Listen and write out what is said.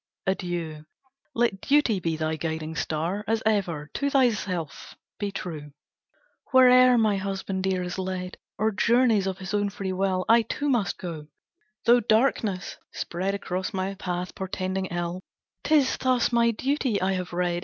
Adieu! Let duty be thy guiding star, As ever. To thyself be true!" "Where'er my husband dear is led, Or journeys of his own free will, I too must go, though darkness spread Across my path, portending ill, 'Tis thus my duty I have read!